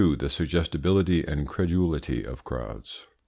THE SUGGESTIBILITY AND CREDULITY OF CROWDS.